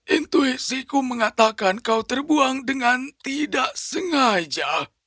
intuisi ku mengatakan kau terbuang dengan tidak sengaja